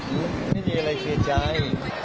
ไม่มีอะไรเสียใจ